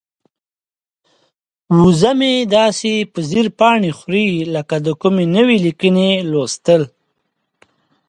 وزه مې داسې په ځیر پاڼې خوري لکه د کومې نوې لیکنې لوستل.